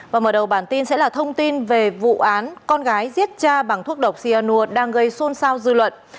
và mở đầu bản tin sẽ là thông tin về vụ án con gái giết cha bằng thuốc độc cyanur đang gây xôn xao dư luận